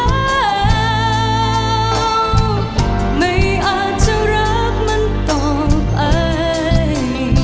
แค่อยากให้มันจบเส้นไป